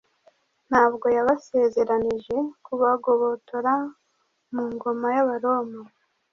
Ntabwo yabasezeranije kubagobotora mu ngoma y'abaroma.